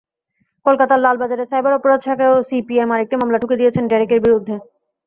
কলকাতার লালবাজারে সাইবার অপরাধ শাখায়ও সিপিএম আরেকটি মামলা ঠুকে দিয়েছে ডেরেকের বিরুদ্ধে।